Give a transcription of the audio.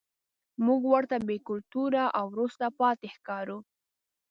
موږ ورته بې کلتوره او وروسته پاتې ښکارو.